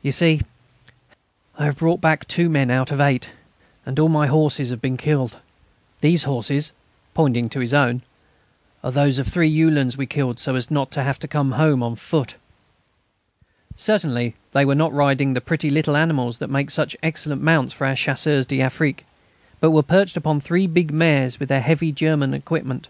You see, ... I have brought back two men out of eight, and all my horses have been killed.... These horses" pointing to his own "are those of three Uhlans we killed so as not to have to come home on foot." Certainly they were not riding the pretty little animals that make such excellent mounts for our Chasseurs d'Afrique, but were perched on three big mares with the heavy German equipment.